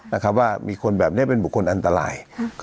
นะครับว่ามีคนแบบนี้เป็นบุคคลอันตราย